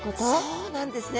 そうなんですね。